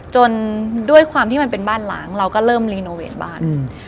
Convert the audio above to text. ด้วยความที่มันเป็นบ้านล้างเราก็เริ่มรีโนเวทบ้าน